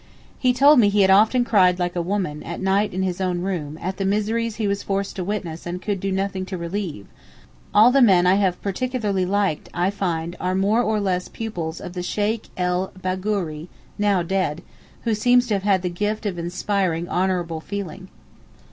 He told me he had often cried like a woman, at night in his own room, at the miseries he was forced to witness and could do nothing to relieve; all the men I have particularly liked I find are more or less pupils of the Sheykh el Bagooree now dead, who seems to have had a gift of inspiring honourable feeling.